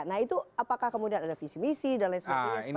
nah itu apakah kemudian ada visi misi dan lain sebagainya